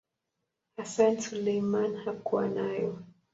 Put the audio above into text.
Hassan Suleiman hakuwa nayo.